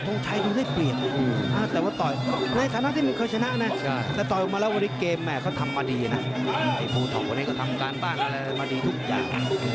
งชัยมันได้เปลี่ยนแต่ว่าต่อยในฐานะที่มันเคยชนะนะแต่ต่อยออกมาแล้ววันนี้เกมแม่เขาทำมาดีนะไอ้ภูทองวันนี้ก็ทำการบ้านอะไรมาดีทุกอย่าง